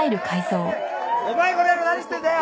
「お前この野郎何してんだよ！」